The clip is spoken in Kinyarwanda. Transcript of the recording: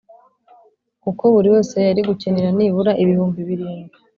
kuko buri wese yari gukenera nibura ibihumbi birindwi,